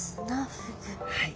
はい。